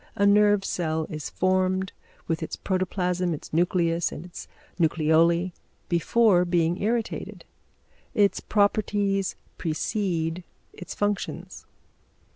A nerve cell is formed, with its protoplasm, its nucleus and its nucleoli before being irritated; its properties precede its functions.